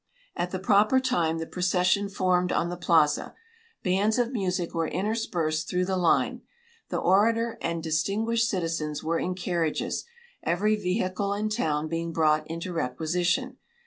At the proper time the procession formed on the plaza. Bands of music were interspersed through the line. The orator and distinguished citizens were in carriages, every vehicle in town being brought into requisition.